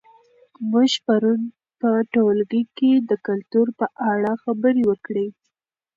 موږ پرون په ټولګي کې د کلتور په اړه خبرې وکړې.